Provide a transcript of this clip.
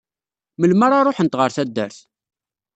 Melmi ara ruḥent ɣer taddart?